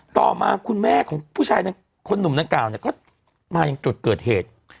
ต่อมาคุณแม่ของผู้ชายคนหนุ่มนางกล่าวเนี่ยก็มายังจุดเกิดเหตุ